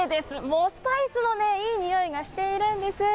もう、スパイスのいい匂いがしているんです。